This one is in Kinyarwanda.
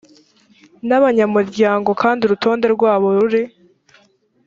n abanyamuryango kandi urutonde rwabo ruri